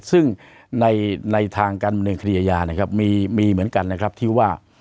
ซึ่งในทางการบรรยายมีเหมือนกันที่ว่า